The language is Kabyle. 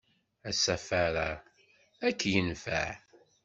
Asafar-a ad k-yenfeɛ!